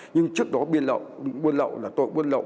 nhưng trước đó buôn lậu là tội buôn lậu